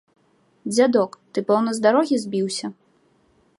Дзядок, ты, пэўна, з дарогі збіўся?